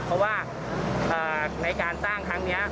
เพราะว่าในการสร้างครั้งนี้